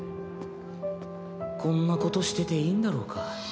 こんなことしてていいんだろうか。